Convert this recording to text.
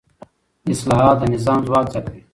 اصلاحات د نظام ځواک زیاتوي